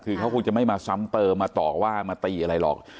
คือเขาคงจะไม่มาซ้ำเติมมาต่อว่ามาตีอะไรหรอก